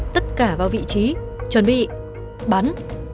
tất cả vào vị trí chuẩn bị bắn